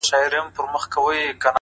• ستا یادیږي پوره شل وړاندي کلونه ,